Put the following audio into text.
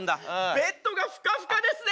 ベッドがふかふかですね。